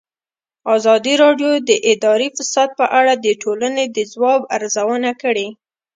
ازادي راډیو د اداري فساد په اړه د ټولنې د ځواب ارزونه کړې.